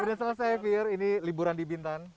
sudah selesai fir ini liburan di bintan